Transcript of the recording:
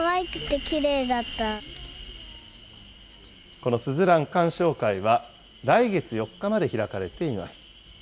このすずらん観賞会は、来月４日まで開かれています。